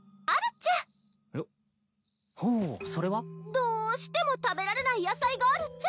どしても食べられない野菜があるっちゃ。